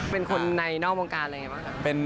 เป็นคนในนอกวงการอะไรยังไงบ้างครับ